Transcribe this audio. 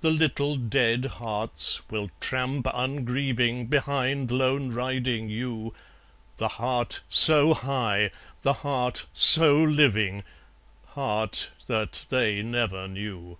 The little dead hearts will tramp ungrieving Behind lone riding you, The heart so high, the heart so living, Heart that they never knew.